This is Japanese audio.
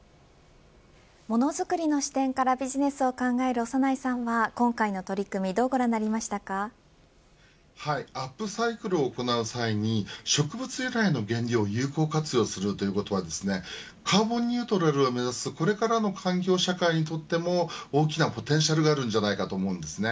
ものづくりの視点からビジネスを考える長内さんは今回の取り組みアップサイクルを行う際に植物由来の原料を有効活用することはカーボンニュートラルを目指すこれからの環境社会にとっても大きなポテンシャルがあるんじゃないかと思います。